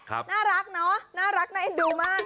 น่ารักเนอะน่ารักนะดูมาก